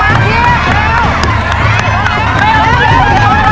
ไม่ออกเร็ว